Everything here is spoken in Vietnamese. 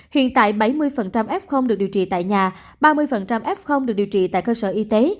hiện tại bảy mươi f được điều trị tại nhà ba mươi f được điều trị tại cơ sở y tế